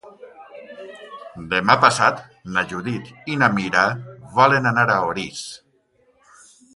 Demà passat na Judit i na Mira volen anar a Orís.